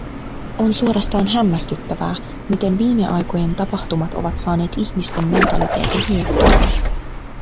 On suorastaan hämmästyttävää, miten viimeaikojen tapahtumat ovat saaneet ihmisten mentaliteetin muuttumaan.